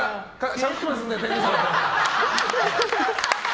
しゃべってますんで、天狗さん。